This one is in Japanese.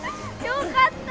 よかった。